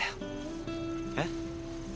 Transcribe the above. えっ？